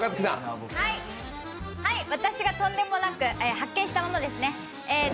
私がとんでもなく発見したものですね。